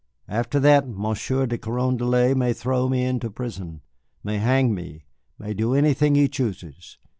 After that Monsieur de Carondelet may throw me into prison, may hang me, may do anything he chooses.